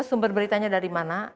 sumber beritanya dari mana